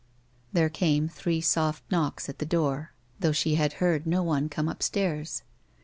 There came three soft knocks at the door, though she had heard no one come upstairs.